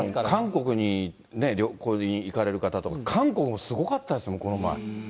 韓国に旅行に行かれる方とか、韓国もすごかったですもん、この前。